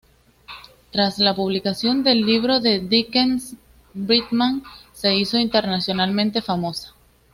Tras la publicación del libro de Dickens, Bridgman se hizo internacionalmente famosa.